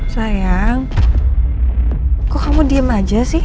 sayang kok kamu diem aja sih